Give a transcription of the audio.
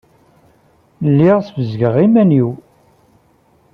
Lliɣ ssebzageɣ iman-inu.